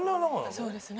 そうですね。